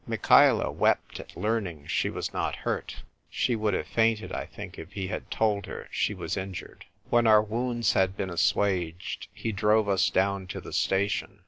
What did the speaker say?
Michaela wept at learning she was not hurt; she would have fainted, I think, if he had told her she was injured. When our wounds had been assuaged, he drove us down to the station.